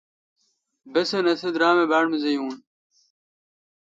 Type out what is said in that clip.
بسن اسی درام می باڑ مزہ یو۔